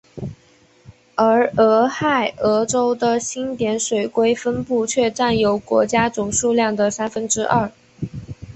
而俄亥俄州的星点水龟分布却占有国家总数量的三分之二。